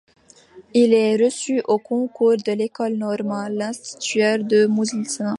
Il est reçu au concours de l'École normale d'instituteurs de Moulins.